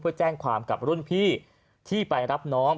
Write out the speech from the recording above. เพื่อแจ้งความกับรุ่นพี่ที่ไปรับน้อง